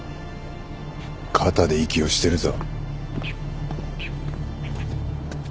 肩で息をしてるぞ。